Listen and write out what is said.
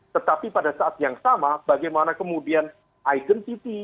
tetapi pada saat yang sama bagaimana kemudian identity